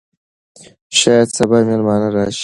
شاید سبا مېلمانه راشي.